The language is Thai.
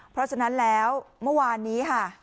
เพราะฉะนั้นแล้วเมื่อวานนี้ค่ะ